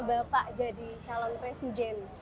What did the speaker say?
bapak jadi calon presiden